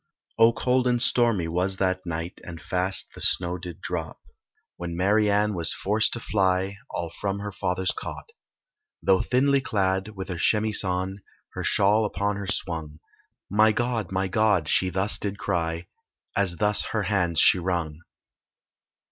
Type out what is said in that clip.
Oh, cold and stormy was that night, And fast the snow did drop, When Mary Ann was forced to fly All from her father's cot. Though thinly clad, with her chemise on, Her shawl upon her swung, "My God! my God!" she thus did cry, As thus her hands she wrung.